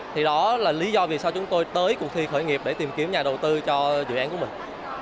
thì đó là lý do vì sao chúng tôi tới cuộc thi khởi nghiệp để tìm kiếm nhà đầu tư cho dự án của mình